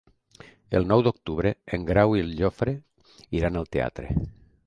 El nou d'octubre en Grau i en Jofre iran al teatre.